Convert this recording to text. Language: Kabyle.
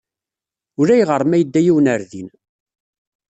Ulayɣer ma yedda yiwen ɣer din.